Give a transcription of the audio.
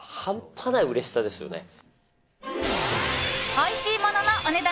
おいしいもののお値段